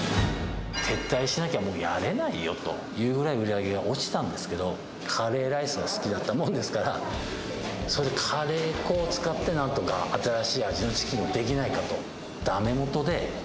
撤退しなきゃ、もうやれないよというぐらい売り上げが落ちたんですけど、カレーライスが好きだったもんですから、それ、カレー粉を使ってなんとか新しい味のチキンをできないかと。